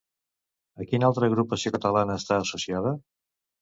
A quina altra agrupació catalana està associada?